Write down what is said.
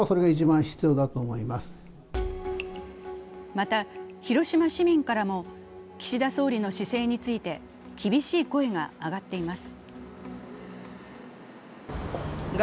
また広島市民からも岸田総理の姿勢について厳しい声が上がっています。